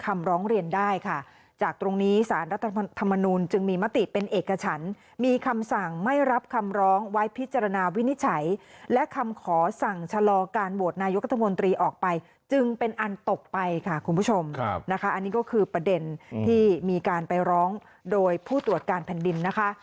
มีคำสั่งไม่รับคำร้องไว้พิจารณาวินิจฉัยและคำขอสั่งชะลอการโหวดนายกรรมนตรีออกไปจึงเป็นอันตกไปค่ะคุณผู้ชมนะคะอันนี้ก็คือประเด็นที่มีการไปร้องโดยผู้ตรวจการแผ่นดินนะคะ